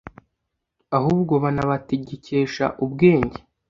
ahubwo banabategekesha ubwenge